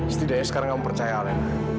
setidaknya sekarang kamu percaya halnya